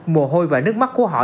mồ hôi và nước mắt của họ